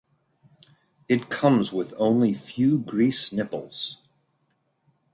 It comes with only few grease nipples.